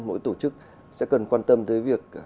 mỗi tổ chức sẽ cần quan tâm tới việc